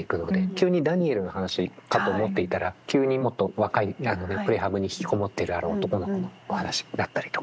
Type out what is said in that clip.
急にダニエルの話かと思っていたら急にもっと若いプレハブに引きこもっているある男の子のお話だったりとかどんどんずれていく。